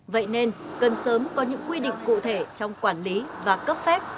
vậy nên cần sớm có những quy định cụ thể trong quản lý và cấp phép